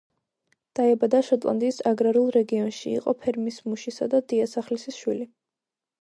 დაიბადა შოტლანდიის აგრარულ რეგიონში, იყო ფერმის მუშისა და დიასახლისის შვილი.